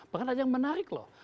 bahkan ada yang menarik loh